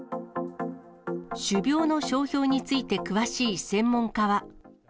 種苗の商標について詳しい専門家は。